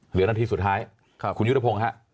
เหลือนาทีสุดท้ายคุณยุทธพงศ์ฮะ